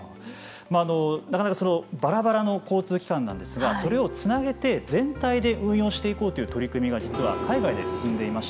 なかなかばらばらの交通機関なんですがそれをつなげて全体で運用していこうという取り組みが実は海外で進んでいます。